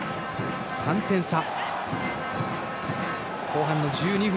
３点差。